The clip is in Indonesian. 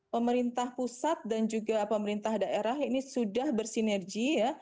pemerintah pusat dan juga pemerintah daerah ini sudah bersinergi ya